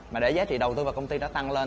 mà để giá trị đầu tư vào công ty đã tăng lên